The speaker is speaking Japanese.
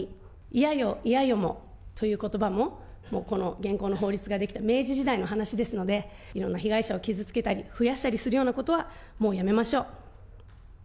嫌よ嫌よもということばも、もうこの現行の法律が出来た明治時代の話ですので、いろんな被害者を傷つけたり、増やしたりするようなことはもうやめましょう。